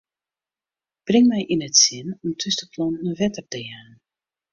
Bring my yn it sin om thús de planten wetter te jaan.